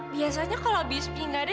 biasanya kalau biski nggak ada